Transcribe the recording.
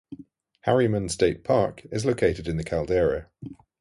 Harriman State Park is located in the caldera.